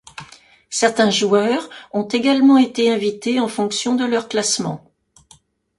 Certains joueurs ont également été invités en fonction de leur classement.